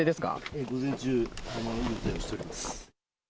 ええ、午前中、予定をしております。